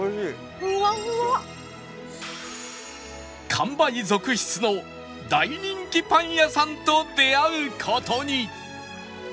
完売続出の大人気パン屋さんと出会う事に